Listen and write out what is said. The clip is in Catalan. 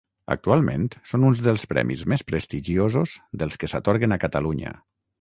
Actualment són uns dels premis més prestigiosos dels que s'atorguen a Catalunya.